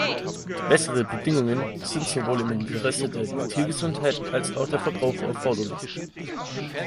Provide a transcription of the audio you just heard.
Bessere Bedingungen sind sowohl im Interesse der Tiergesundheit als auch der Verbraucher erforderlich.